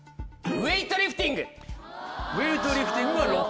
ウエイトリフティングが６位。